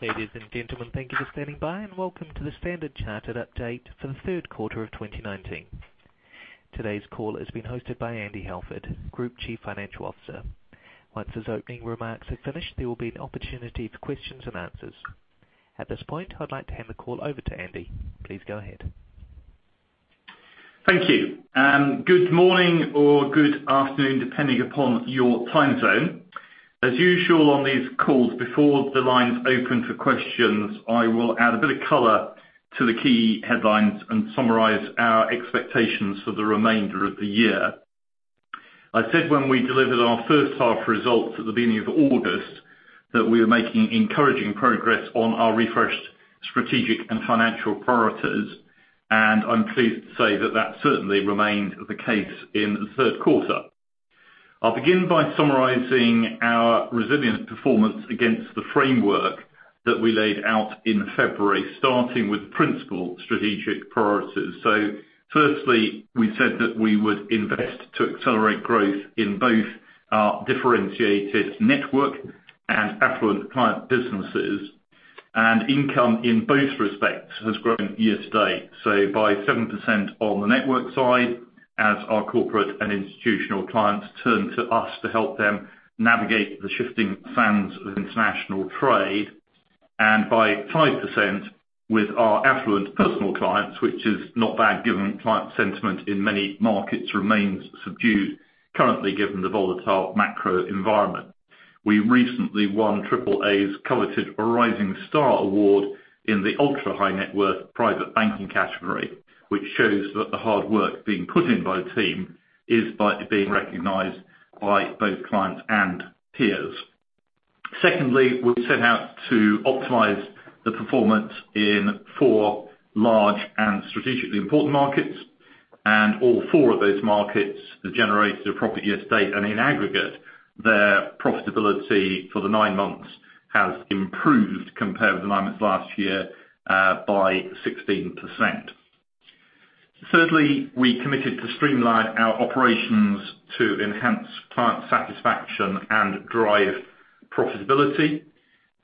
Ladies and gentlemen, thank you for standing by, Welcome to the Standard Chartered update for the third quarter of 2019. Today's call is being hosted by Andy Halford, Group Chief Financial Officer. Once his opening remarks are finished, there will be an opportunity for questions and answers. At this point, I'd like to hand the call over to Andy. Please go ahead. Thank you. Good morning or good afternoon, depending upon your time zone. As usual on these calls, before the lines open for questions, I will add a bit of color to the key headlines and summarize our expectations for the remainder of the year. I said when we delivered our first half results at the beginning of August, that we were making encouraging progress on our refreshed strategic and financial priorities, and I'm pleased to say that that certainly remained the case in the third quarter. I'll begin by summarizing our resilient performance against the framework that we laid out in February, starting with principal strategic priorities. Firstly, we said that we would invest to accelerate growth in both our differentiated network and affluent client businesses, and income in both respects has grown year to date. By 7% on the network side, as our corporate and institutional clients turn to us to help them navigate the shifting sands of international trade, and by 5% with our affluent personal clients, which is not bad, given client sentiment in many markets remains subdued currently given the volatile macro environment. We recently won Triple A's coveted Rising Star Award in the ultra-high net worth private banking category, which shows that the hard work being put in by the team is being recognized by both clients and peers. Secondly, we set out to optimize the performance in four large and strategically important markets, and all four of those markets have generated a profit year to date, and in aggregate, their profitability for the nine months has improved compared with the nine months last year, by 16%. Thirdly, we committed to streamline our operations to enhance client satisfaction and drive profitability,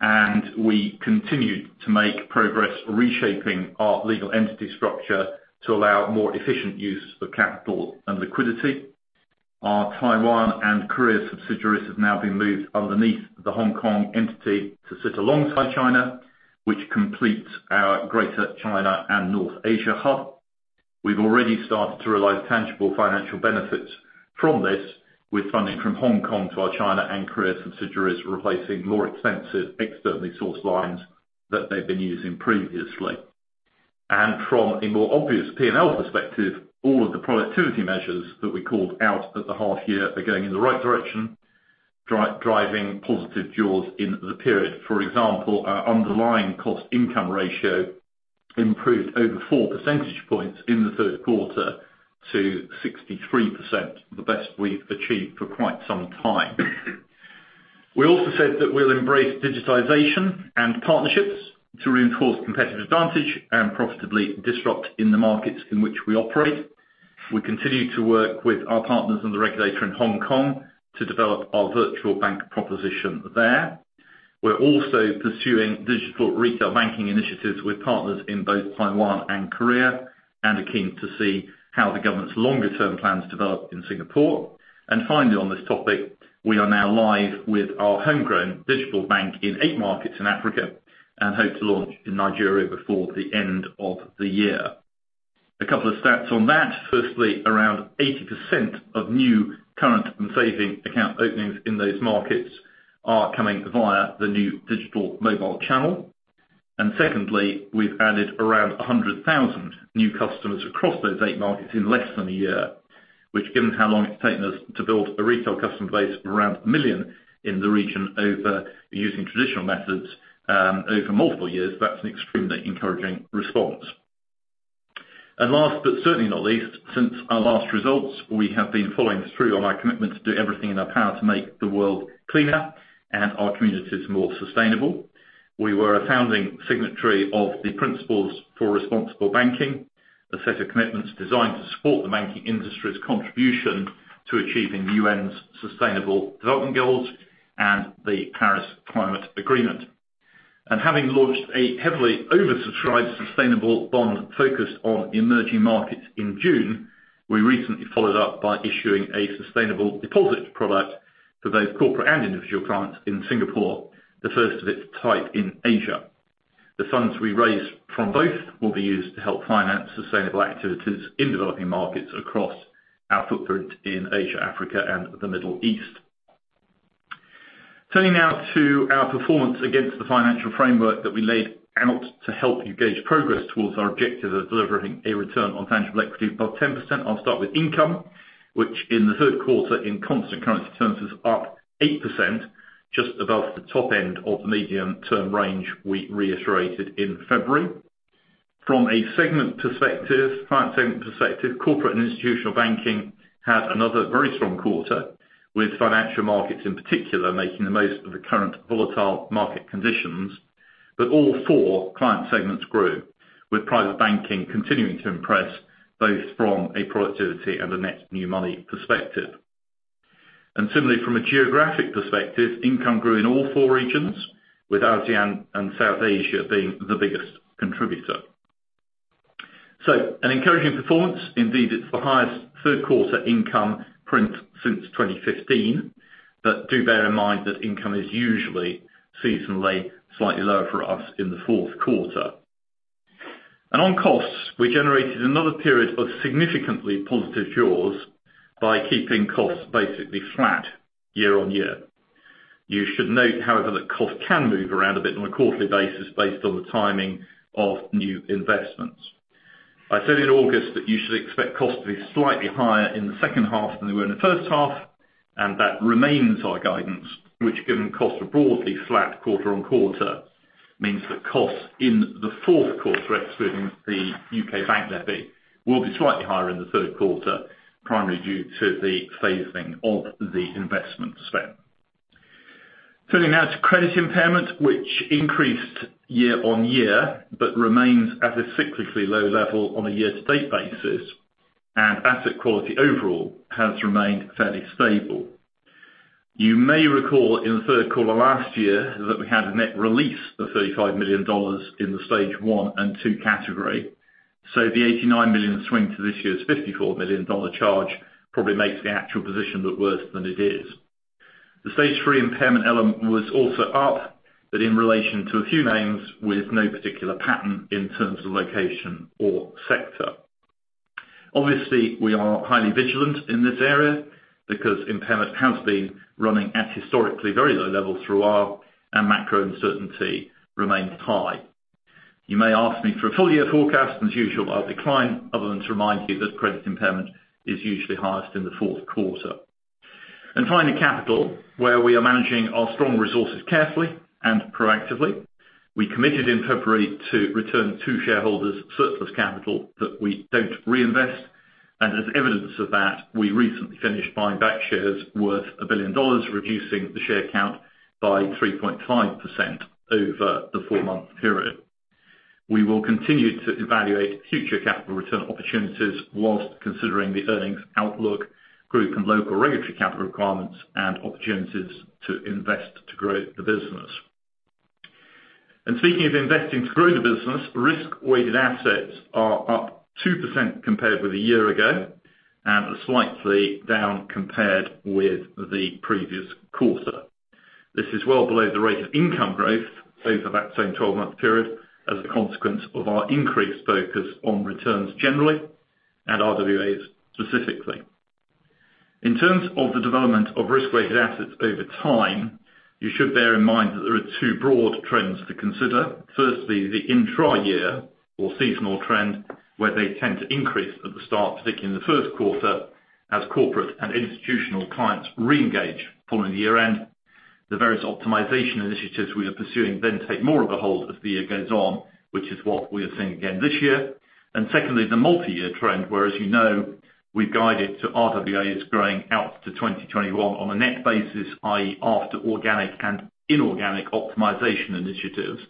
and we continued to make progress reshaping our legal entity structure to allow more efficient use of capital and liquidity. Our Taiwan and Korea subsidiaries have now been moved underneath the Hong Kong entity to sit alongside China, which completes our Greater China and North Asia hub. We've already started to realize tangible financial benefits from this, with funding from Hong Kong to our China and Korea subsidiaries replacing more expensive externally sourced lines that they've been using previously. From a more obvious P&L perspective, all of the productivity measures that we called out at the half year are going in the right direction, driving positive jaws in the period. For example, our underlying cost-income ratio improved over four percentage points in the third quarter to 63%, the best we've achieved for quite some time. We also said that we'll embrace digitization and partnerships to reinforce competitive advantage and profitably disrupt in the markets in which we operate. We continue to work with our partners and the regulator in Hong Kong to develop our virtual bank proposition there. We're also pursuing digital retail banking initiatives with partners in both Taiwan and Korea, and are keen to see how the government's longer term plans develop in Singapore. Finally on this topic, we are now live with our homegrown digital bank in eight markets in Africa and hope to launch in Nigeria before the end of the year. A couple of stats on that. Firstly, around 80% of new current and saving account openings in those markets are coming via the new digital mobile channel. Secondly, we've added around 100,000 new customers across those eight markets in less than a year, which given how long it's taken us to build a retail customer base of around 1 million in the region using traditional methods over multiple years, that's an extremely encouraging response. Last but certainly not least, since our last results, we have been following through on our commitment to do everything in our power to make the world cleaner and our communities more sustainable. We were a founding signatory of the Principles for Responsible Banking, a set of commitments designed to support the banking industry's contribution to achieving the UN's Sustainable Development Goals and the Paris Agreement. Having launched a heavily oversubscribed sustainable bond focused on emerging markets in June, we recently followed up by issuing a sustainable deposit product for both corporate and individual clients in Singapore, the first of its type in Asia. The funds we raise from both will be used to help finance sustainable activities in developing markets across our footprint in Asia, Africa, and the Middle East. Turning now to our performance against the financial framework that we laid out to help you gauge progress towards our objective of delivering a return on tangible equity above 10%. I'll start with income, which in the third quarter in constant currency terms is up 8%, just above the top end of the medium-term range we reiterated in February. From a segment perspective, client segment perspective, Corporate and Institutional Banking had another very strong quarter, with Financial Markets in particular making the most of the current volatile market conditions. All four client segments grew, with Private Banking continuing to impress both from a productivity and a net new money perspective. Similarly, from a geographic perspective, income grew in all four regions, with ASEAN and South Asia being the biggest contributor. An encouraging performance. Indeed, it's the highest third quarter income print since 2015. Do bear in mind that income is usually seasonally slightly lower for us in the fourth quarter. On costs, we generated another period of significantly positive jaws by keeping costs basically flat year-on-year. You should note, however, that costs can move around a bit on a quarterly basis based on the timing of new investments. I said in August that you should expect costs to be slightly higher in the second half than they were in the first half, and that remains our guidance, which given costs are broadly flat quarter on quarter, means that costs in the fourth quarter, excluding the UK bank levy, will be slightly higher in the third quarter, primarily due to the phasing of the investment spend. Turning now to credit impairment, which increased year-on-year, but remains at a cyclically low level on a year-to-date basis, and asset quality overall has remained fairly stable. You may recall in the third quarter last year that we had a net release of $35 million in the stage 1 and 2 category. The $89 million swing to this year's $54 million charge probably makes the actual position look worse than it is. The stage 3 impairment element was also up, but in relation to a few names with no particular pattern in terms of location or sector. Obviously, we are highly vigilant in this area because impairment has been running at historically very low levels throughout, and macro uncertainty remains high. You may ask me for a full year forecast. As usual, I'll decline, other than to remind you that credit impairment is usually highest in the fourth quarter. Finally, capital, where we are managing our strong resources carefully and proactively. We committed in February to return to shareholders surplus capital that we don't reinvest. As evidence of that, we recently finished buying back shares worth $1 billion, reducing the share count by 3.5% over the four-month period. We will continue to evaluate future capital return opportunities whilst considering the earnings outlook, group and local regulatory capital requirements, and opportunities to invest to grow the business. Speaking of investing to grow the business, risk-weighted assets are up 2% compared with a year ago, and slightly down compared with the previous quarter. This is well below the rate of income growth over that same 12-month period as a consequence of our increased focus on returns generally and RWAs specifically. In terms of the development of risk-weighted assets over time, you should bear in mind that there are two broad trends to consider. Firstly, the intra-year or seasonal trend, where they tend to increase at the start, particularly in the first quarter, as corporate and institutional clients reengage following the year end. The various optimization initiatives we are pursuing then take more of a hold as the year goes on, which is what we are seeing again this year. Secondly, the multi-year trend, where as you know, we've guided to RWAs growing out to 2021 on a net basis, i.e., after organic and inorganic optimization initiatives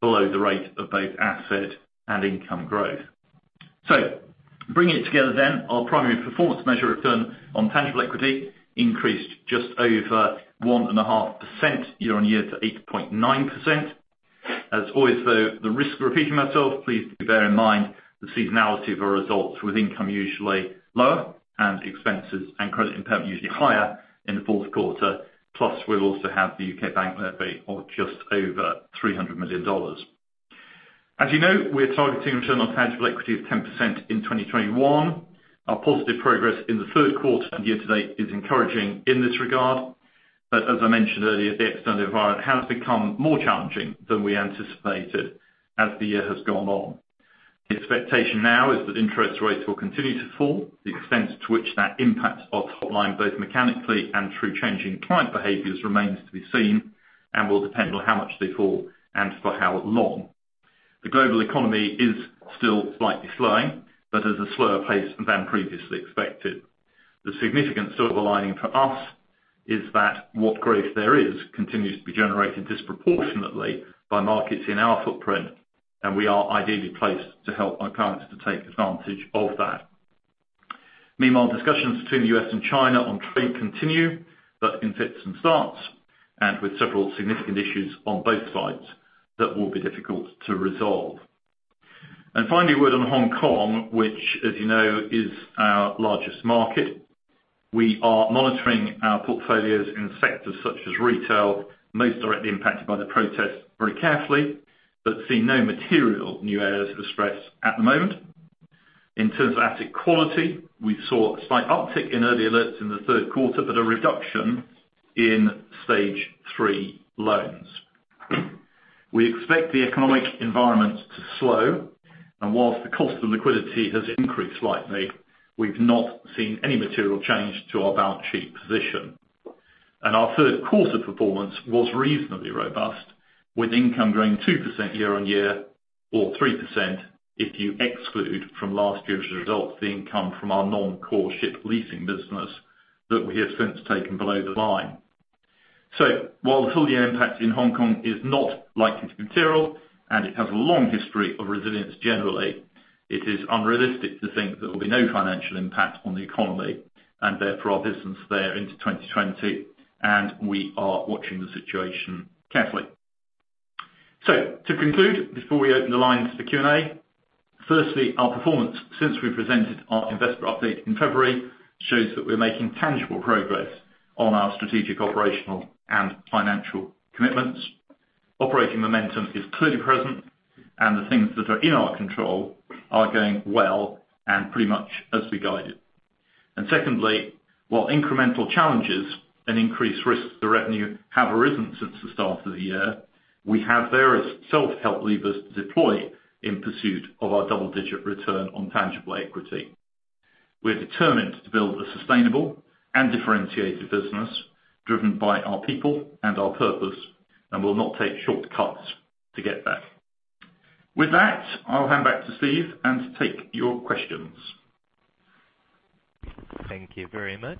below the rate of both asset and income growth. Bringing it together then, our primary performance measure return on tangible equity increased just over 1.5% year-on-year to 8.9%. As always though, the risk of repeating myself, please do bear in mind the seasonality of our results with income usually lower and expenses and credit impairment usually higher in the fourth quarter. Plus, we'll also have the UK bank levy of just over $300 million. As you know, we're targeting return on tangible equity of 10% in 2021. Our positive progress in the third quarter and year to date is encouraging in this regard. As I mentioned earlier, the external environment has become more challenging than we anticipated as the year has gone on. The expectation now is that interest rates will continue to fall. The extent to which that impacts our top line, both mechanically and through changing client behaviors remains to be seen and will depend on how much they fall and for how long. The global economy is still slightly slowing, but at a slower pace than previously expected. The significance of the underlying for us is that what growth there is continues to be generated disproportionately by markets in our footprint, and we are ideally placed to help our clients to take advantage of that. Meanwhile, discussions between the U.S. and China on trade continue, but in fits and starts, and with several significant issues on both sides that will be difficult to resolve. Finally, a word on Hong Kong, which as you know, is our largest market. We are monitoring our portfolios in sectors such as retail, most directly impacted by the protests very carefully, but see no material new areas of stress at the moment. In terms of asset quality, we saw a slight uptick in early alerts in the third quarter, but a reduction in stage 3 loans. We expect the economic environment to slow, and whilst the cost of liquidity has increased slightly, we've not seen any material change to our balance sheet position. Our third quarter performance was reasonably robust, with income growing 2% year-on-year or 3% if you exclude from last year's results the income from our non-core ship leasing business that we have since taken below the line. While the full year impact in Hong Kong is not likely to be material, and it has a long history of resilience generally, it is unrealistic to think there will be no financial impact on the economy, and therefore our business there into 2020, and we are watching the situation carefully. To conclude, before we open the lines to Q&A, firstly, our performance since we presented our investor update in February shows that we're making tangible progress on our strategic, operational, and financial commitments. Operating momentum is clearly present and the things that are in our control are going well and pretty much as we guided. secondly, while incremental challenges and increased risks to revenue have arisen since the start of the year, we have various self-help levers to deploy in pursuit of our double-digit return on tangible equity. We're determined to build a sustainable and differentiated business driven by our people and our purpose, and will not take shortcuts to get there. With that, I'll hand back to Steve and take your questions. Thank you very much.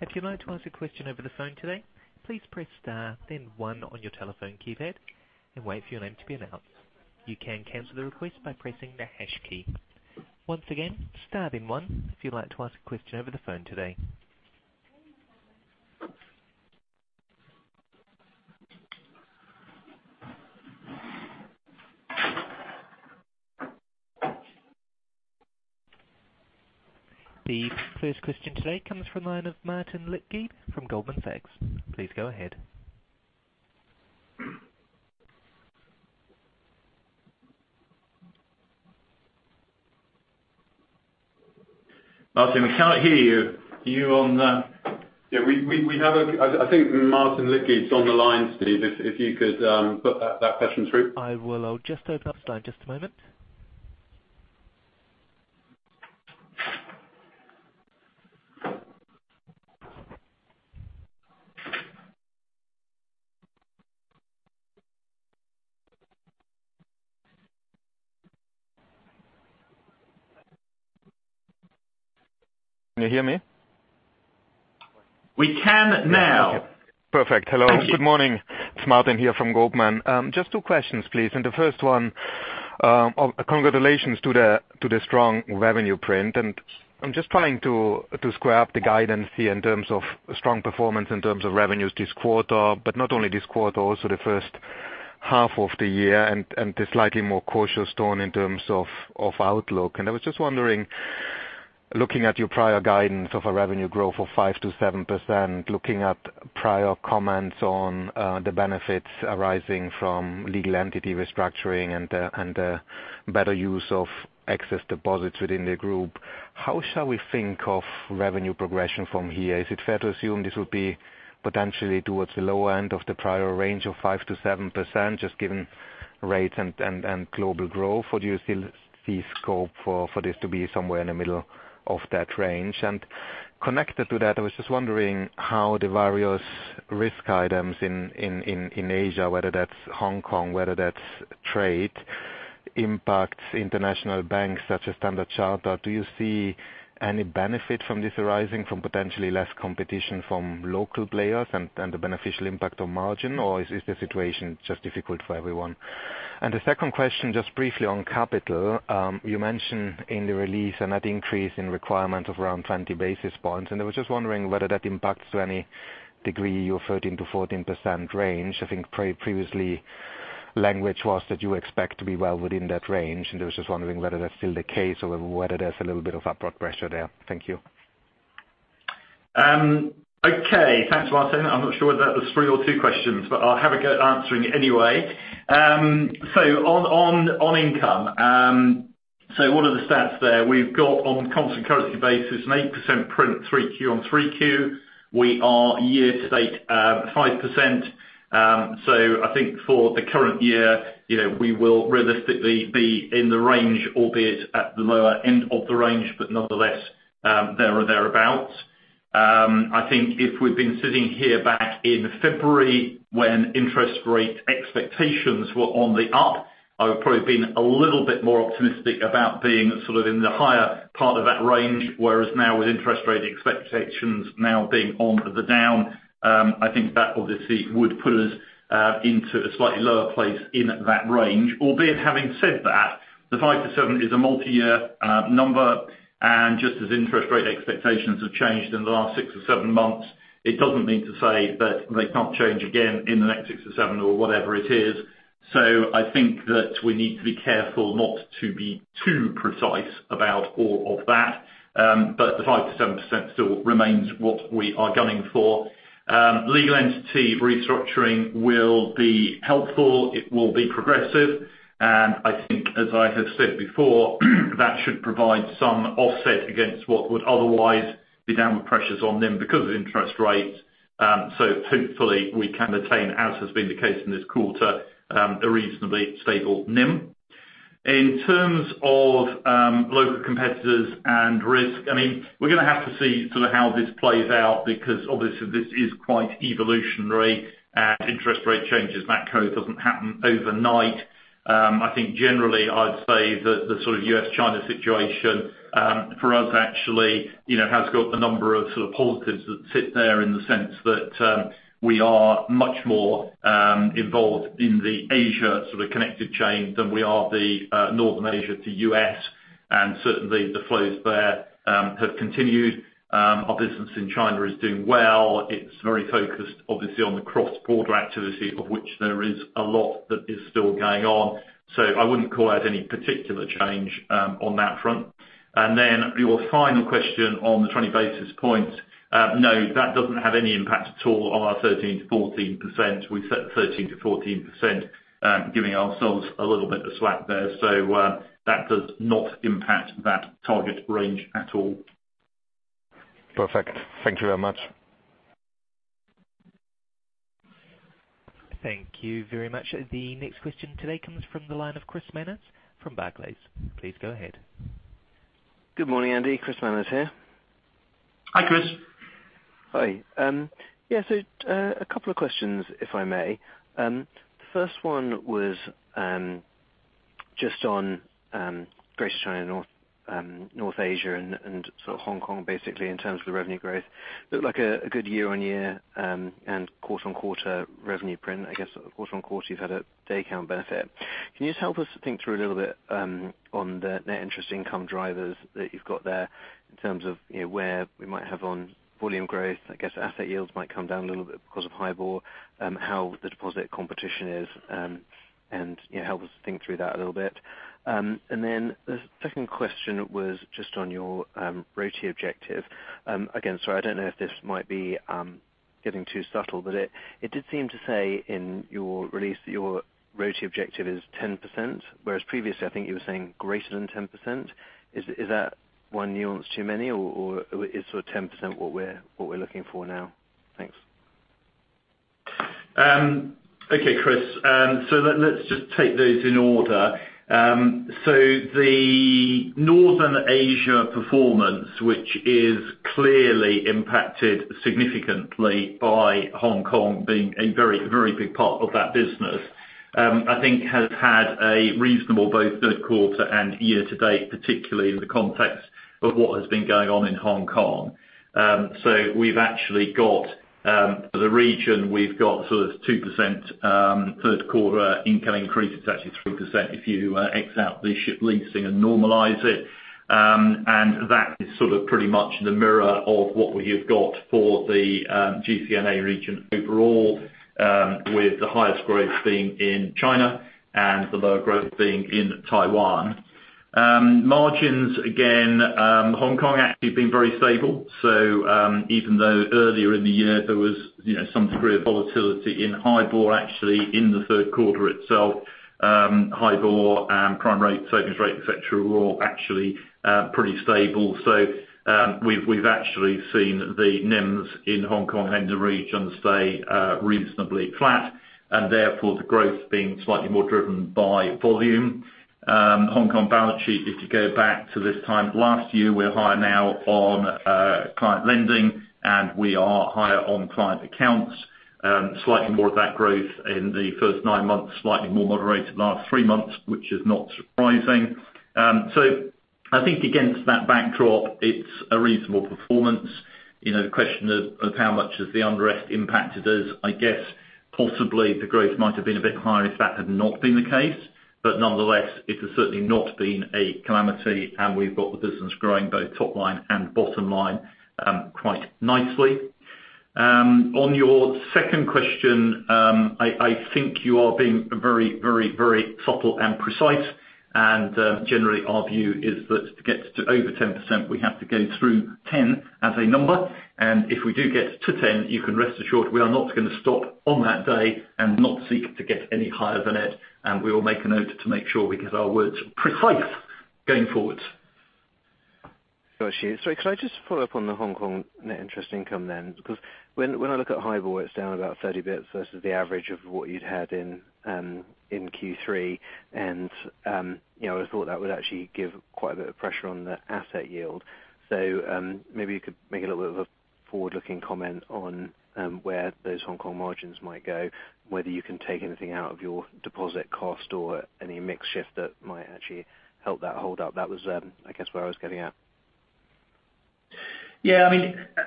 If you'd like to ask a question over the phone today, please press star then one on your telephone keypad and wait for your name to be announced. You can cancel the request by pressing the hash key. Once again, star then one if you'd like to ask a question over the phone today. The first question today comes from the line of Martin Leitgeb from Goldman Sachs. Please go ahead. Martin, we can't hear you. I think Martin Leitgeb's on the line, Bill, if you could put that question through. I will. I'll just open up his line. Just a moment. Can you hear me? We can now. Okay. Perfect. Thank you. Hello. Good morning. It's Martin here from Goldman. Just two questions, please. The first one, congratulations to the strong revenue print. I'm just trying to square up the guidance here in terms of strong performance in terms of revenues this quarter, but not only this quarter, also the first half of the year and the slightly more cautious tone in terms of outlook. I was just wondering, looking at your prior guidance of a revenue growth of 5%-7%, looking at prior comments on the benefits arising from legal entity restructuring and the better use of excess deposits within the group, how shall we think of revenue progression from here? Is it fair to assume this will be potentially towards the lower end of the prior range of 5%-7%, just given rates and global growth? Do you still see scope for this to be somewhere in the middle of that range? Connected to that, I was just wondering how the various risk items in Asia, whether that's Hong Kong, whether that's trade, impacts international banks such as Standard Chartered. Do you see any benefit from this arising from potentially less competition from local players and the beneficial impact on margin, or is the situation just difficult for everyone? The second question, just briefly on capital. You mentioned in the release a net increase in requirement of around 20 basis points, and I was just wondering whether that impacts to any degree your 13%-14% range. I think previously language was that you expect to be well within that range, and I was just wondering whether that's still the case or whether there's a little bit of upward pressure there. Thank you. Okay. Thanks, Martin. I'm not sure whether that was three or two questions, but I'll have a go at answering it anyway. On income. What are the stats there? We've got on constant currency basis an 8% print 3Q on 3Q. We are year to date, 5%. I think for the current year, we will realistically be in the range, albeit at the lower end of the range, but nonetheless, there or thereabout. I think if we'd been sitting here back in February when interest rate expectations were on the up, I would probably have been a little bit more optimistic about being sort of in the higher part of that range, whereas now with interest rate expectations now being on the down, I think that obviously would put us into a slightly lower place in that range. Albeit, having said that, the 5%-7% is a multi-year number, and just as interest rate expectations have changed in the last six or seven months, it doesn't mean to say that they can't change again in the next six or seven or whatever it is. I think that we need to be careful not to be too precise about all of that. The 5%-7% still remains what we are gunning for. Legal entity restructuring will be helpful. It will be progressive, and I think as I have said before, that should provide some offset against what would otherwise be downward pressures on NIM because of interest rates. hopefully we can attain, as has been the case in this quarter, a reasonably stable NIM. In terms of local competitors and risk, we're going to have to see how this plays out, because obviously this is quite evolutionary, and interest rate changes that kind doesn't happen overnight. I think generally I'd say that the sort of U.S., China situation for us actually has got a number of sort of positives that sit there in the sense that we are much more involved in the Asia connected chain than we are the Northern Asia to U.S. Certainly the flows there have continued. Our business in China is doing well. It's very focused, obviously, on the cross border activity, of which there is a lot that is still going on. I wouldn't call out any particular change on that front. your final question on the 20 basis points. No, that doesn't have any impact at all on our 13% to 14%. We've set 13% to 14%, giving ourselves a little bit of slack there. that does not impact that target range at all. Perfect. Thank you very much. Thank you very much. The next question today comes from the line of Chris Manners from Barclays. Please go ahead. Good morning, Andy. Chris Manners here. Hi, Chris. Hi. Yeah. A couple of questions, if I may. First one was just on Greater China, North Asia and Hong Kong, basically in terms of the revenue growth. Looked like a good year-over-year and quarter-over-quarter revenue print. I guess quarter-over-quarter you've had a day count benefit. Can you just help us think through a little bit on the net interest income drivers that you've got there in terms of where we might have on volume growth? I guess asset yields might come down a little bit because of HIBOR, how the deposit competition is, and help us think through that a little bit. The second question was just on your RoTE objective. Again, sorry, I don't know if this might be getting too subtle, but it did seem to say in your release that your RoTE objective is 10%, whereas previously I think you were saying greater than 10%. Is that one nuance too many or is 10% what we're looking for now? Thanks. Okay, Chris. Let's just take those in order. The Northern Asia performance, which is clearly impacted significantly by Hong Kong being a very big part of that business, I think has had a reasonable both third quarter and year to date, particularly in the context of what has been going on in Hong Kong. We've actually got the region, we've got sort of 2% third quarter income increase. It's actually 3% if you X out the ship leasing and normalize it. That is sort of pretty much the mirror of what we have got for the GCNA region overall with the highest growth being in China and the lower growth being in Taiwan. Margins, again, Hong Kong actually been very stable. Even though earlier in the year there was some degree of volatility in HIBOR, actually in the third quarter itself HIBOR and prime rate, savings rate, et cetera, were all actually pretty stable. We've actually seen the NIMs in Hong Kong and the region stay reasonably flat and therefore the growth being slightly more driven by volume. Hong Kong balance sheet, if you go back to this time last year, we're higher now on client lending and we are higher on client accounts. Slightly more of that growth in the first nine months, slightly more moderated last three months, which is not surprising. I think against that backdrop it's a reasonable performance. The question of how much has the unrest impacted us? I guess possibly the growth might have been a bit higher if that had not been the case. Nonetheless, it has certainly not been a calamity. We've got the business growing both top line and bottom line quite nicely. On your second question, I think you are being very subtle and precise. Generally our view is that to get to over 10%, we have to go through 10 as a number. If we do get to 10, you can rest assured we are not going to stop on that day and not seek to get any higher than it. We will make a note to make sure we get our words precise going forward. Got you. Sorry, could I just follow up on the Hong Kong net interest income then? Because when I look at HIBOR, it's down about 30 bps versus the average of what you'd had in Q3. I thought that would actually give quite a bit of pressure on the asset yield. Maybe you could make a little bit of a forward-looking comment on where those Hong Kong margins might go, whether you can take anything out of your deposit cost or any mix shift that might actually help that hold up. That was, I guess, where I was getting at. Yeah,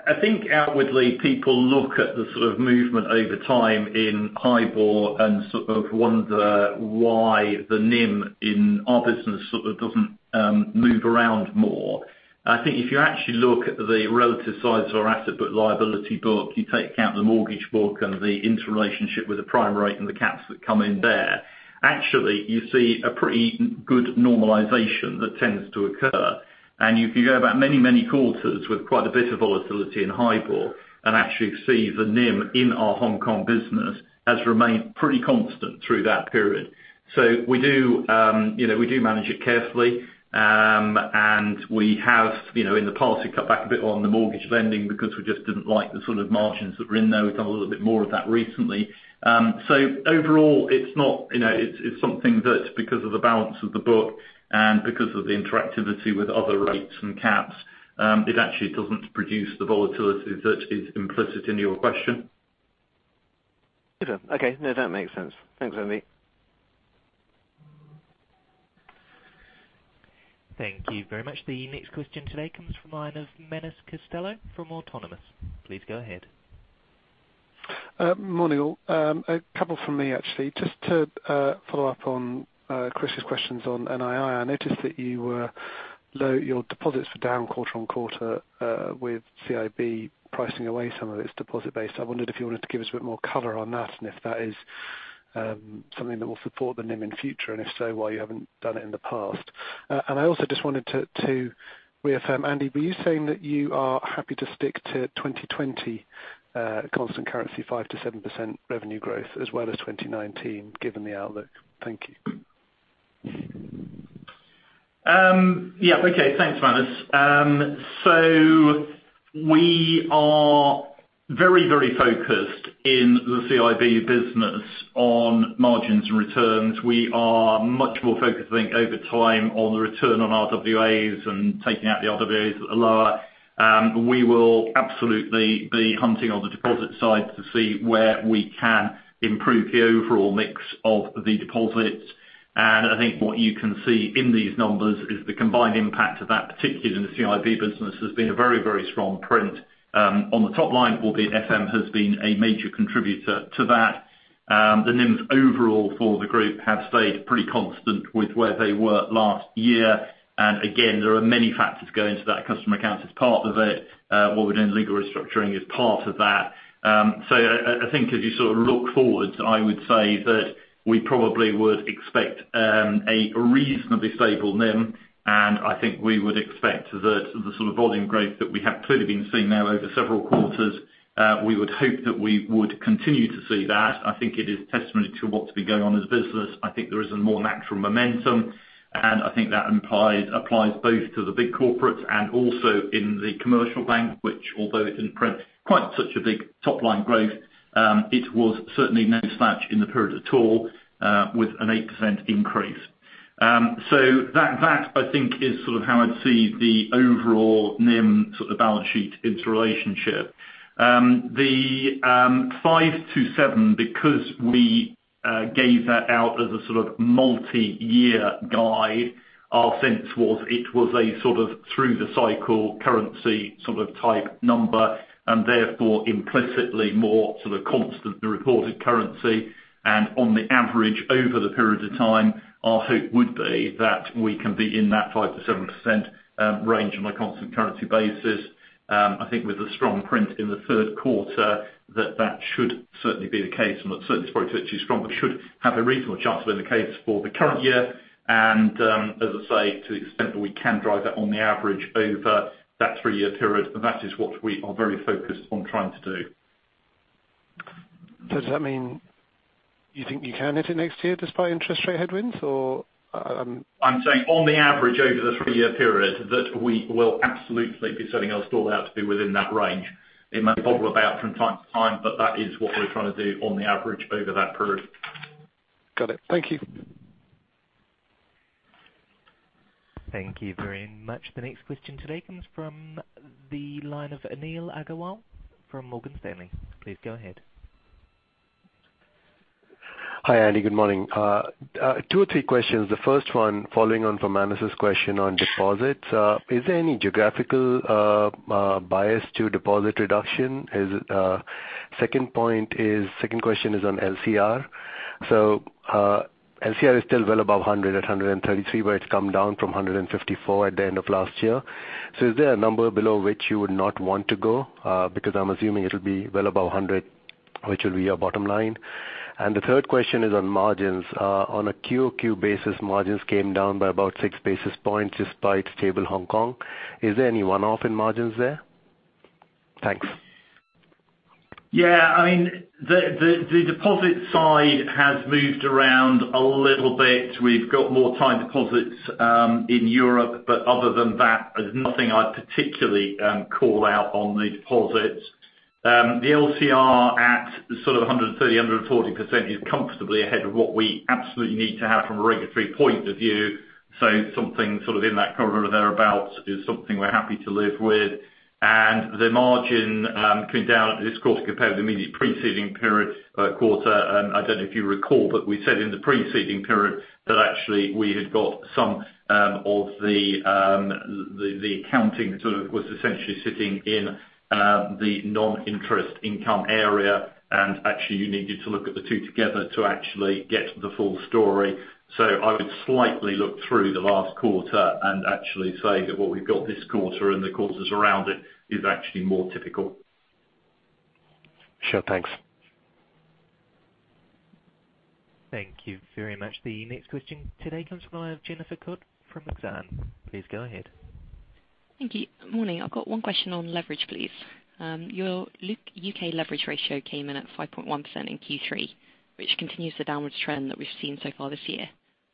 I think outwardly people look at the sort of movement over time in HIBOR and sort of wonder why the NIM in our business sort of doesn't move around more. I think if you actually look at the relative size of our asset book liability book, you take out the mortgage book and the interrelationship with the prime rate and the caps that come in there. Actually, you see a pretty good normalization that tends to occur. If you go back many quarters with quite a bit of volatility in HIBOR and actually see the NIM in our Hong Kong business has remained pretty constant through that period. We do manage it carefully. We have in the past cut back a bit on the mortgage lending because we just didn't like the sort of margins that were in there. We've done a little bit more of that recently. Overall it's something that because of the balance of the book and because of the interactivity with other rates and caps It actually doesn't produce the volatility that is implicit in your question. Okay. No, that makes sense. Thanks, Andy. Thank you very much. The next question today comes from the line of Manus Costello from Autonomous. Please go ahead. Morning, all. A couple from me actually. Just to follow up on Chris's questions on NII. I noticed that your deposits were down quarter-over-quarter with CIB pricing away some of its deposit base. I wondered if you wanted to give us a bit more color on that and if that is something that will support the NIM in future, and if so, why you haven't done it in the past. I also just wanted to reaffirm, Andy, were you saying that you are happy to stick to 2020 constant currency five to seven% revenue growth as well as 2019 given the outlook? Thank you. Yeah. Okay. Thanks, Manus. We are very focused in the CIB business on margins and returns. We are much more focused I think over time on the return on RWAs and taking out the RWAs that are lower. We will absolutely be hunting on the deposit side to see where we can improve the overall mix of the deposits. I think what you can see in these numbers is the combined impact of that, particularly in the CIB business, has been a very strong print on the top line, albeit FM has been a major contributor to that. The NIMs overall for the group have stayed pretty constant with where they were last year. Again, there are many factors going into that customer account as part of it. What we're doing with legal restructuring is part of that. I think as you look forward, I would say that we probably would expect a reasonably stable NIM, and I think we would expect that the volume growth that we have clearly been seeing now over several quarters, we would hope that we would continue to see that. I think it is testimony to what's been going on as a business. I think there is a more natural momentum, and I think that applies both to the big corporates and also in the commercial bank, which although it didn't print quite such a big top-line growth, it was certainly no slouch in the period at all with an 8% increase. That I think is how I'd see the overall NIM sort of balance sheet interrelationship. The 5-7, because we gave that out as a sort of multi-year guide, our sense was it was a sort of through the cycle currency sort of type number and therefore implicitly more sort of constant the reported currency. On the average over the period of time, our hope would be that we can be in that 5%-7% range on a constant currency basis. I think with the strong print in the third quarter that that should certainly be the case and certainly it's probably too strong, but should have a reasonable chance of being the case for the current year. As I say, to the extent that we can drive that on the average over that three-year period, and that is what we are very focused on trying to do. does that mean you think you can hit it next year despite interest rate headwinds or I'm saying on the average over the three-year period that we will absolutely be setting our stall out to be within that range. It may bobble about from time to time, but that is what we're trying to do on the average over that period. Got it. Thank you. Thank you very much. The next question today comes from the line of Anil Agarwal from Morgan Stanley. Please go ahead. Hi, Andy. Good morning. Two or three questions. The first one following on from Manus' question on deposits. Second question is on LCR. LCR is still well above 100 at 133, where it's come down from 154 at the end of last year. Is there a number below which you would not want to go? Because I'm assuming it'll be well above 100, which will be your bottom line. The third question is on margins. On a QOQ basis, margins came down by about six basis points despite stable Hong Kong. Is there any one-off in margins there? Thanks. Yeah. The deposit side has moved around a little bit. We've got more time deposits in Europe, but other than that, there's nothing I'd particularly call out on the deposits. The LCR at sort of 130, 140% is comfortably ahead of what we absolutely need to have from a regulatory point of view. Something sort of in that corridor thereabout is something we're happy to live with. The margin coming down this quarter compared to the immediate preceding quarter, I don't know if you recall, but we said in the preceding period that actually we had got some of the accounting was essentially sitting in the non-interest income area, and actually you needed to look at the two together to actually get the full story. I would slightly look through the last quarter and actually say that what we've got this quarter and the quarters around it is actually more typical. Sure. Thanks. Thank you very much. The next question today comes from the line of Jennifer Cook from Exane. Please go ahead. Thank you. Morning. I've got one question on leverage, please. Your U.K. leverage ratio came in at 5.1% in Q3, which continues the downward trend that we've seen so far this year.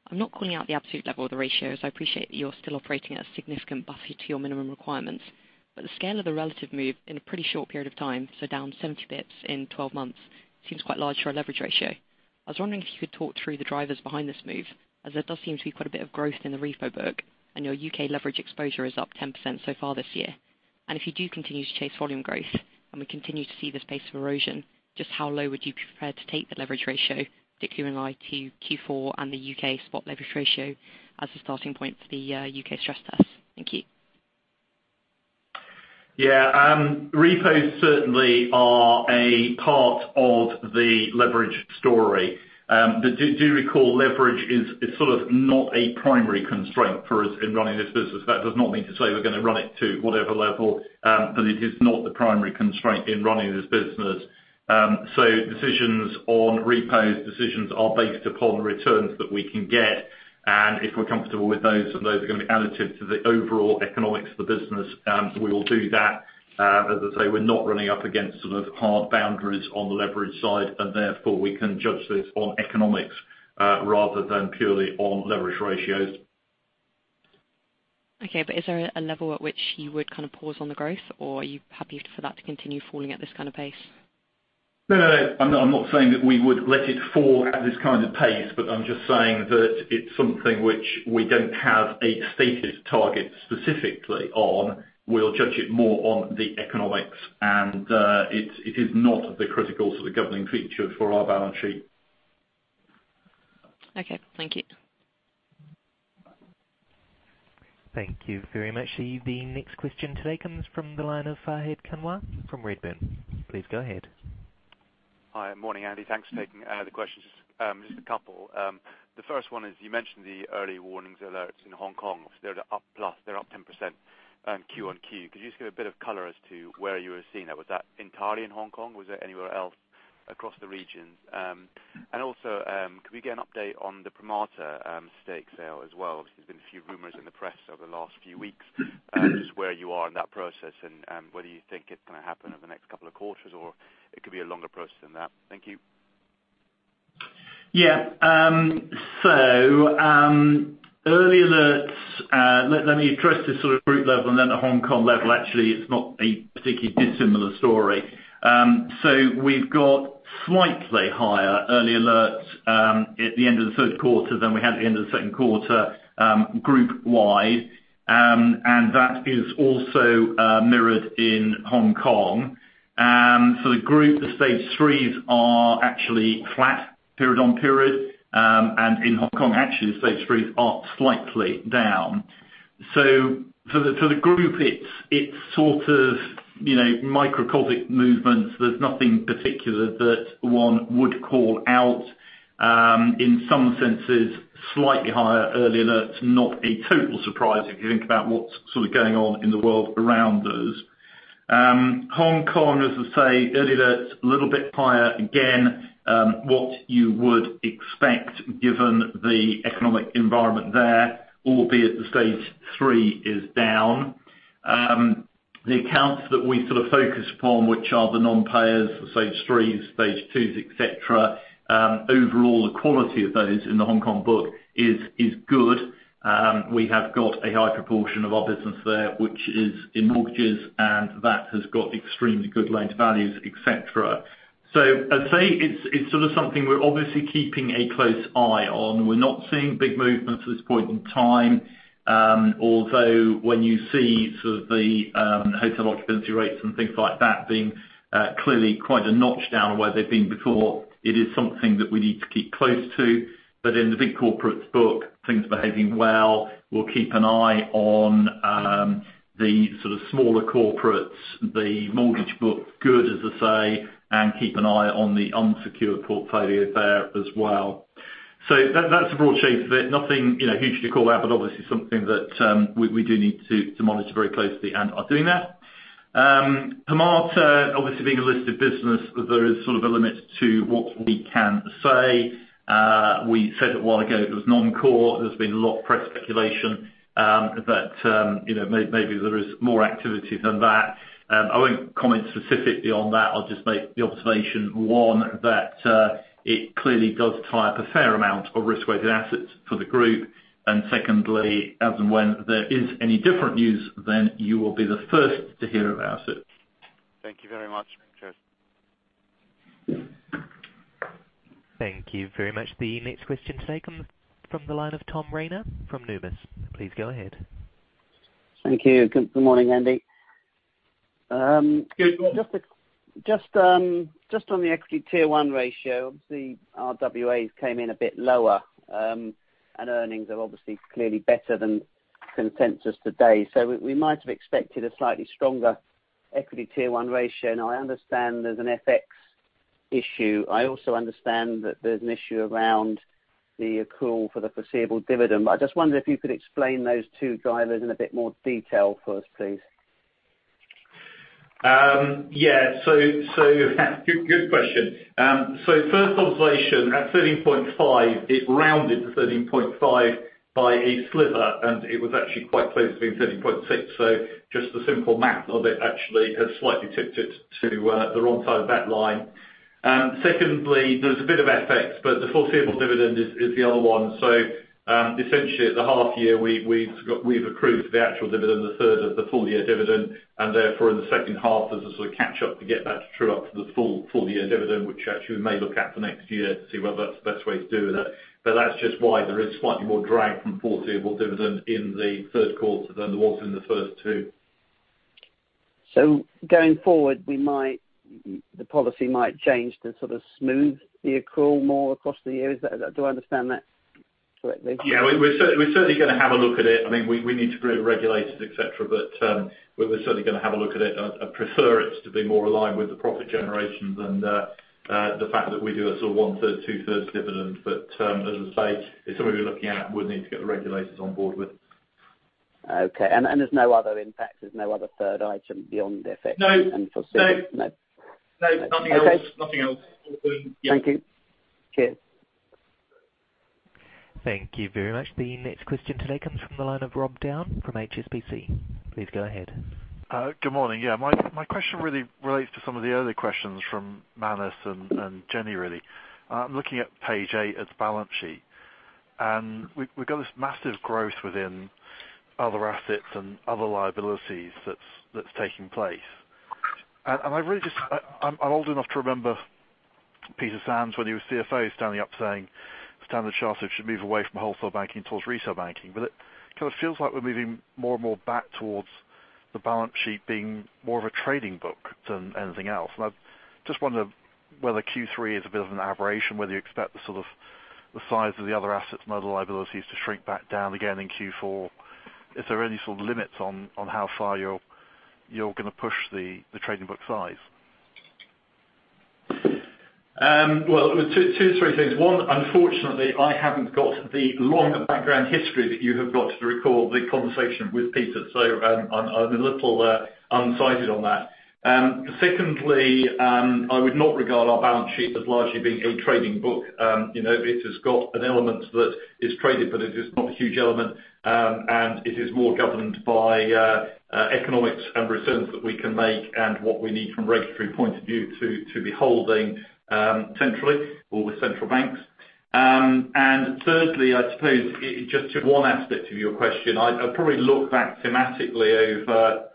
I'm not calling out the absolute level of the ratio, as I appreciate that you're still operating at a significant buffer to your minimum requirements. The scale of the relative move in a pretty short period of time, so down 70 basis points in 12 months, seems quite large for a leverage ratio. I was wondering if you could talk through the drivers behind this move, as there does seem to be quite a bit of growth in the repo book, and your U.K. leverage exposure is up 10% so far this year. If you do continue to chase volume growth, and we continue to see this pace of erosion, just how low would you be prepared to take the leverage ratio, particularly in light to Q4 and the U.K. spot leverage ratio as a starting point for the U.K. stress test? Thank you. Yeah. Repos certainly are a part of the leverage story. Do recall, leverage is sort of not a primary constraint for us in running this business. That does not mean to say we're going to run it to whatever level, but it is not the primary constraint in running this business. decisions on repos, decisions are based upon returns that we can get, and if we're comfortable with those and those are going to be additive to the overall economics of the business, we will do that. As I say, we're not running up against sort of hard boundaries on the leverage side, and therefore we can judge this on economics rather than purely on leverage ratios. Okay. Is there a level at which you would kind of pause on the growth, or are you happy for that to continue falling at this kind of pace? No. I'm not saying that we would let it fall at this kind of pace, but I'm just saying that it's something which we don't have a stated target specifically on. We'll judge it more on the economics, and it is not the critical sort of governing feature for our balance sheet. Okay. Thank you. Thank you very much. The next question today comes from the line of Fahed Kunwar from Redburn. Please go ahead. Hi. Morning, Andy. Thanks for taking the questions. Just a couple. The first one is, you mentioned the early warnings alerts in Hong Kong. Obviously, they're up 10% Q on Q. Could you just give a bit of color as to where you are seeing that? Was that entirely in Hong Kong? Was it anywhere else across the regions? Also, could we get an update on the Permata stake sale as well? Obviously, there's been a few rumors in the press over the last few weeks. Just where you are in that process, and whether you think it's going to happen over the next couple of quarters, or it could be a longer process than that. Thank you. Yeah. Early alerts, let me address the sort of group level and then the Hong Kong level. Actually, it's not a particularly dissimilar story. We've got slightly higher early alerts at the end of the third quarter than we had at the end of the second quarter, group wide. That is also mirrored in Hong Kong. The group, the stage 3s are actually flat period on period. In Hong Kong, actually, the stage 3s are slightly down. For the group, it's sort of microcosmic movements. There's nothing particular that one would call out. In some senses, slightly higher early alerts, not a total surprise if you think about what's sort of going on in the world around us. Hong Kong, as I say, early alerts a little bit higher. Again, what you would expect given the economic environment there, albeit the stage 3 is down. The accounts that we sort of focus upon, which are the non-payers, the stage 3s, stage 2s, et cetera, overall the quality of those in the Hong Kong book is good. We have got a high proportion of our business there, which is in mortgages, and that has got extremely good loans values, et cetera. I'd say it's sort of something we're obviously keeping a close eye on. We're not seeing big movements at this point in time. Although when you see sort of the hotel occupancy rates and things like that being clearly quite a notch down on where they've been before, it is something that we need to keep close to. In the big corporates book, things behaving well. We'll keep an eye on the sort of smaller corporates. The mortgage book, good as I say, and keep an eye on the unsecured portfolio there as well. That's the broad shape of it. Nothing hugely to call out, but obviously something that we do need to monitor very closely and are doing that. Permata, obviously being a listed business, there is sort of a limit to what we can say. We said it a while ago, it was non-core. There's been a lot of press speculation that maybe there is more activity than that. I won't comment specifically on that. I'll just make the observation, one, that it clearly does tie up a fair amount of risk-weighted assets for the group. secondly, as and when there is any different news, then you will be the first to hear about it. Thank you very much. Cheers. Thank you very much. The next question today comes from the line of Tom Rayner from Numis. Please go ahead. Thank you. Good morning, Andy. Good morning. Just on the equity tier 1 ratio, obviously our WAs came in a bit lower, and earnings are obviously clearly better than consensus today. We might have expected a slightly stronger equity tier 1 ratio. Now I understand there's an FX issue. I also understand that there's an issue around the accrual for the foreseeable dividend. I just wonder if you could explain those two drivers in a bit more detail for us, please. Yeah. Good question. First observation, at 13.5, it rounded to 13.5 by a sliver, and it was actually quite close to being 13.6, so just the simple math of it actually has slightly tipped it to the wrong side of that line. Secondly, there's a bit of FX, but the foreseeable dividend is the other one. Essentially at the half year, we've accrued for the actual dividend, a third of the full year dividend, and therefore in the second half there's a sort of catch up to get that true up to the full year dividend, which actually we may look at for next year to see whether that's the best way to do that. That's just why there is slightly more drag from foreseeable dividend in the third quarter than there was in the first two Going forward, the policy might change to sort of smooth the accrual more across the years. Do I understand that correctly? Yeah. We're certainly going to have a look at it. We need to agree with regulators, et cetera, but we're certainly going to have a look at it. I'd prefer it to be more aligned with the profit generation than the fact that we do a sort of one-third, two-thirds dividend. As I say, it's something we're looking at. We'll need to get the regulators on board with. Okay. There's no other impact? There's no other third item beyond the effects- No and for- No. No. Okay. No, nothing else. Yeah. Thank you. Cheers. Thank you very much. The next question today comes from the line of Robin Down from HSBC. Please go ahead. Good morning. Yeah, my question really relates to some of the earlier questions from Manus and Jennifer, really. I'm looking at page eight, its balance sheet. We've got this massive growth within other assets and other liabilities that's taking place. I'm old enough to remember Peter Sands when he was CFO, standing up saying Standard Chartered should move away from wholesale banking towards retail banking. It kind of feels like we're moving more and more back towards the balance sheet being more of a trading book than anything else. I just wonder whether Q3 is a bit of an aberration, whether you expect the size of the other assets and other liabilities to shrink back down again in Q4. Is there any sort of limits on how far you're going to push the trading book size? Well two or three things. One, unfortunately, I haven't got the longer background history that you have got to recall the conversation with Peter, so I'm a little unsighted on that. Secondly, I would not regard our balance sheet as largely being a trading book. It has got an element that is traded, but it is not a huge element. It is more governed by economics and returns that we can make and what we need from a regulatory point of view to be holding centrally or with central banks. thirdly, I suppose just to one aspect of your question, I'd probably look back thematically over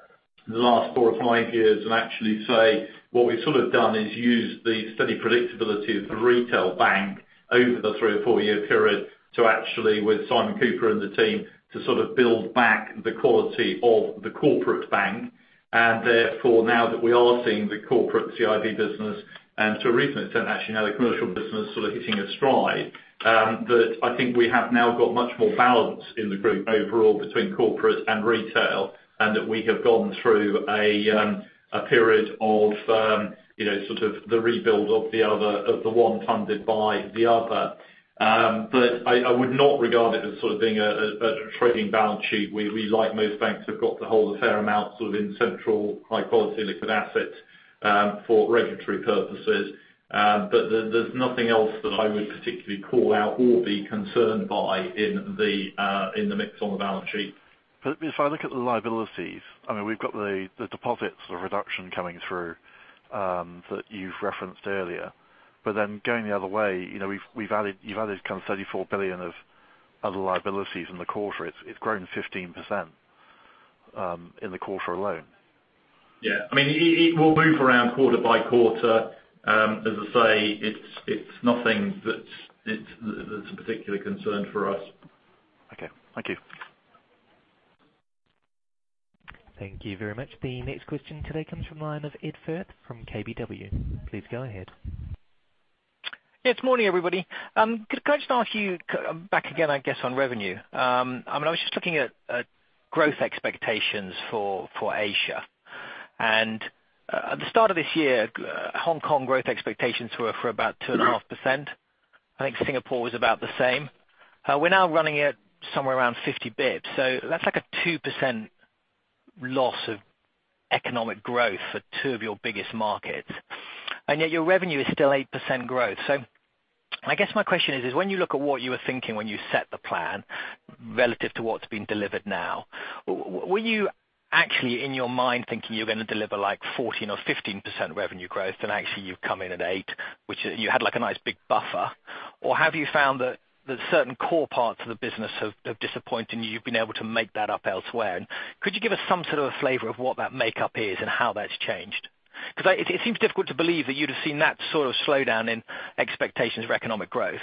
the last four or five years and actually say what we've sort of done is use the steady predictability of the retail bank over the three or four-year period to actually, with Simon Cooper and the team, to sort of build back the quality of the corporate bank. therefore, now that we are seeing the corporate CIB business to a reasonable extent actually now, the commercial business sort of hitting a stride, that I think we have now got much more balance in the group overall between corporate and retail, and that we have gone through a period of the rebuild of the one funded by the other. I would not regard it as sort of being a trading balance sheet. We, like most banks, have got to hold a fair amount in central high quality liquid assets for regulatory purposes. there's nothing else that I would particularly call out or be concerned by in the mix on the balance sheet. if I look at the liabilities, we've got the deposits reduction coming through that you've referenced earlier. going the other way, you've added 34 billion of other liabilities in the quarter. It's grown 15% in the quarter alone. Yeah. It will move around quarter by quarter. As I say, it's nothing that's a particular concern for us. Okay. Thank you. Thank you very much. The next question today comes from line of Ed Firth from KBW. Please go ahead. Yeah. Good morning, everybody. Could I just ask you back again, I guess, on revenue. I was just looking at growth expectations for Asia. At the start of this year, Hong Kong growth expectations were for about 2.5%. I think Singapore was about the same. We're now running at somewhere around 50 basis points. That's like a 2% loss of economic growth for two of your biggest markets. Yet your revenue is still 8% growth. I guess my question is, when you look at what you were thinking when you set the plan relative to what's being delivered now, were you actually in your mind thinking you were going to deliver 14 or 15% revenue growth and actually you've come in at eight? Which you had like a nice big buffer. Have you found that certain core parts of the business have disappointed you've been able to make that up elsewhere? Could you give us some sort of a flavor of what that makeup is and how that's changed? Because it seems difficult to believe that you'd have seen that sort of slowdown in expectations for economic growth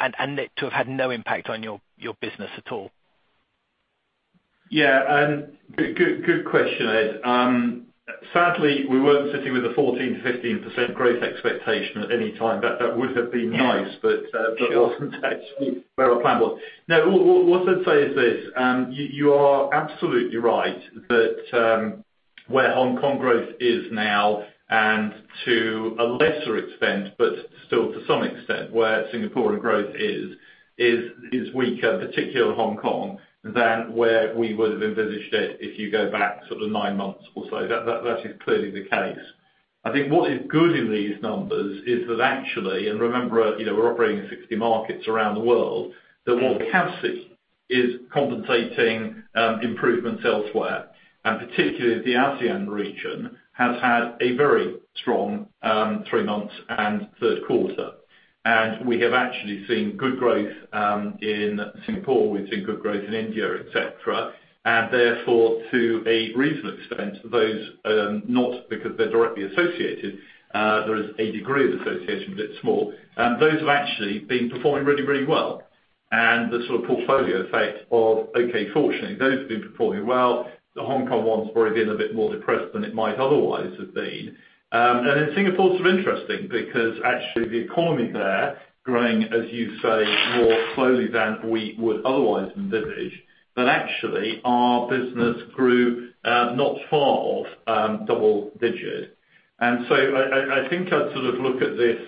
and it to have had no impact on your business at all. Yeah. Good question, Ed. Sadly, we weren't sitting with a 14%-15% growth expectation at any time. That would have been nice- Yeah. Sure that wasn't actually where our plan was. No, what I'd say is this. You are absolutely right that where Hong Kong growth is now, and to a lesser extent but still to some extent, where Singaporean growth is weaker, particularly Hong Kong, than where we would have envisaged it if you go back nine months or so. That is clearly the case. I think what is good in these numbers is that actually, and remember we're operating in 60 markets around the world, that what we have seen is compensating improvements elsewhere, and particularly the ASEAN region has had a very strong three months and third quarter. we have actually seen good growth in Singapore, we've seen good growth in India, et cetera. therefore, to a reasonable extent, those not because they're directly associated, there is a degree of association but it's small. Those have actually been performing really well. The sort of portfolio effect of, okay, fortunately, those have been performing well. The Hong Kong one's probably been a bit more depressed than it might otherwise have been. In Singapore, it's sort of interesting because actually the economy there growing, as you say, more slowly than we would otherwise envisage, but actually our business grew not far off double digit. I think I'd sort of look at this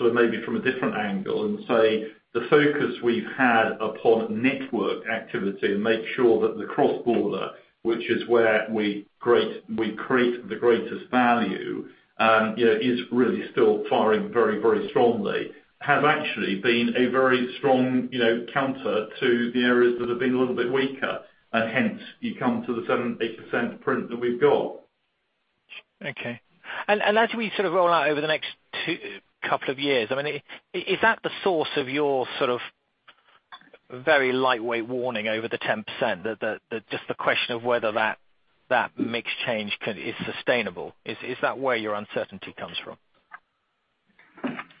maybe from a different angle and say the focus we've had upon network activity and make sure that the cross-border, which is where we create the greatest value, is really still firing very strongly, have actually been a very strong counter to the areas that have been a little bit weaker. Hence you come to the seven, eight% print that we've got. Okay. as we sort of roll out over the next two couple of years, is that the source of your sort of very lightweight warning over the 10%? Just the question of whether that mix change is sustainable. Is that where your uncertainty comes from?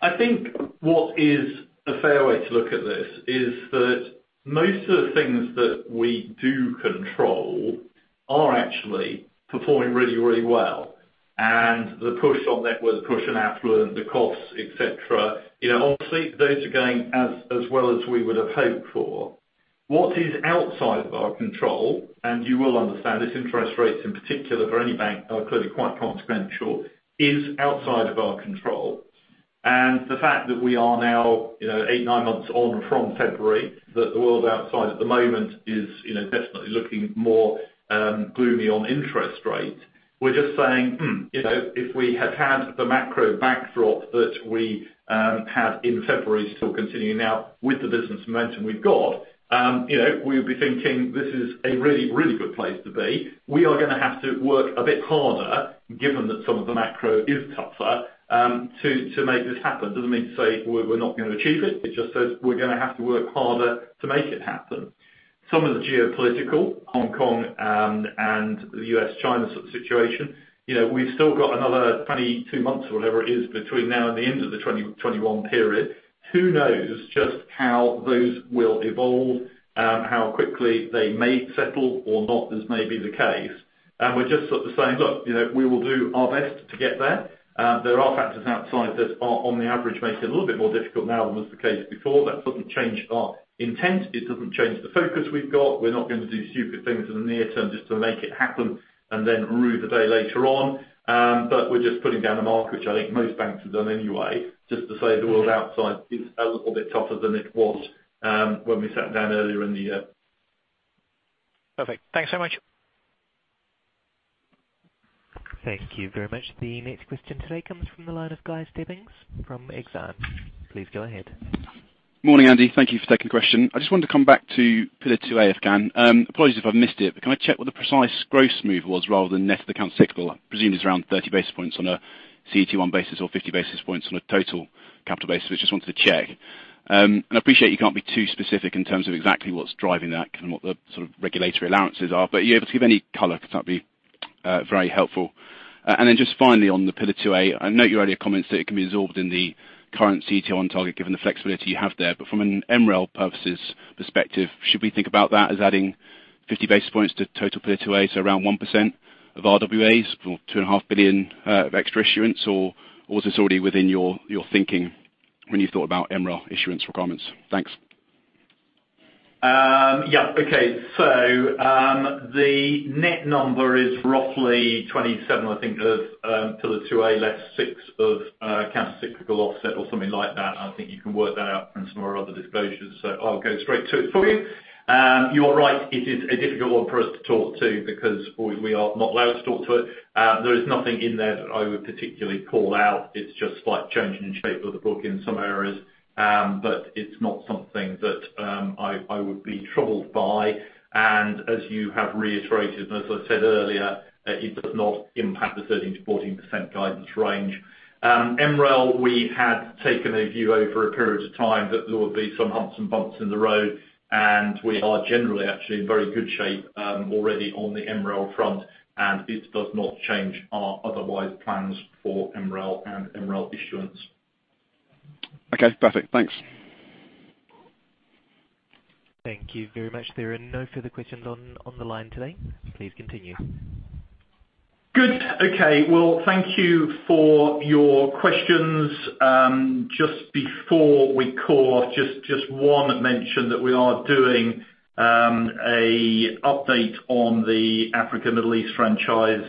I think what is the fair way to look at this is that most of the things that we do control are actually performing really well. The push on net worth, push on affluent, the costs, et cetera, obviously those are going as well as we would have hoped for. What is outside of our control, and you will understand this, interest rates in particular for any bank are clearly quite consequential, is outside of our control. The fact that we are now eight, nine months on from February, that the world outside at the moment is definitely looking more gloomy on interest rates. We're just saying, "Hmm, if we had had the macro backdrop that we had in February still continuing now with the business momentum we've got, we would be thinking this is a really good place to be." We are going to have to work a bit harder given that some of the macro is tougher, to make this happen. Doesn't mean to say we're not going to achieve it just says we're going to have to work harder to make it happen. Some of the geopolitical, Hong Kong, and the U.S., China situation. We've still got another 22 months or whatever it is between now and the end of the 2021 period. Who knows just how those will evolve, how quickly they may settle or not, as may be the case. We're just sort of saying, "Look, we will do our best to get there." There are factors outside that are on average, make it a little bit more difficult now than was the case before. That doesn't change our intent. It doesn't change the focus we've got. We're not going to do stupid things in the near term just to make it happen and then rue the day later on. We're just putting down a mark, which I think most banks have done anyway, just to say the world outside is a little bit tougher than it was when we sat down earlier in the year. Perfect. Thanks so much. Thank you very much. The next question today comes from the line of Guy Stebbings from Exane. Please go ahead. Morning, Andy. Thank you for taking the question. I just wanted to come back to Pillar 2A, if I can. Apologies if I've missed it, can I check what the precise gross move was rather than net of the countercyclical? I presume it's around 30 basis points on a CET1 basis or 50 basis points on a total capital basis. Just wanted to check. I appreciate you can't be too specific in terms of exactly what's driving that and what the sort of regulatory allowances are, but are you able to give any color? That'd be very helpful. Then just finally on the Pillar 2A, I note your earlier comments that it can be absorbed in the current CET1 on target given the flexibility you have there. From an MREL purposes perspective, should we think about that as adding 50 basis points to total Pillar 2A, so around 1% of RWAs for two and a half billion of extra issuance, or is this already within your thinking when you thought about MREL issuance requirements? Thanks. Yeah. Okay. The net number is roughly 27, I think, of Pillar 2A, less six of countercyclical offset or something like that. I think you can work that out from some of our other disclosures. I'll go straight to it for you. You are right, it is a difficult one for us to talk to because we are not allowed to talk to it. There is nothing in there that I would particularly call out. It's just slight changing in shape of the book in some areas. It's not something that I would be troubled by. As you have reiterated, and as I said earlier, it does not impact the 13%-14% guidance range. MREL, we had taken a view over a period of time that there would be some humps and bumps in the road, and we are generally actually in very good shape, already on the MREL front, and it does not change our otherwise plans for MREL and MREL issuance. Okay, perfect. Thanks. Thank you very much. There are no further questions on the line today. Please continue. Good. Okay. Well, thank you for your questions. Just before we call off, just one mention that we are doing an update on the Africa Middle East franchise,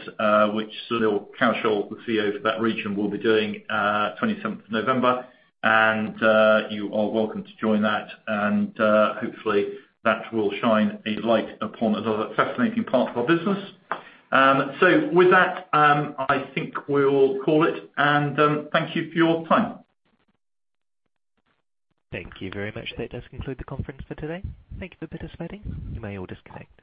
which Sunil Kaushal, the CEO for that region, will be doing 27th of November. You are welcome to join that and hopefully that will shine a light upon another fascinating part of our business. With that, I think we'll call it and thank you for your time. Thank you very much. That does conclude the conference for today. Thank you for participating. You may all disconnect.